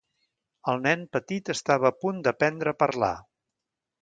El nen petit estava a punt d'aprendre a parlar.